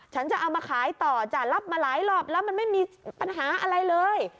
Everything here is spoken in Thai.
จะเอามาขายต่อจ้ะรับมาหลายรอบแล้วมันไม่มีปัญหาอะไรเลย